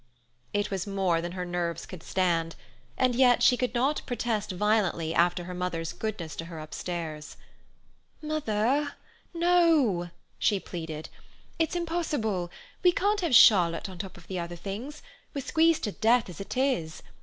It was more than her nerves could stand. And she could not protest violently after her mother's goodness to her upstairs. "Mother, no!" she pleaded. "It's impossible. We can't have Charlotte on the top of the other things; we're squeezed to death as it is.